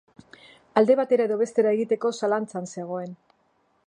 Alde batera edo bestera egiteko zalantzan zegoen.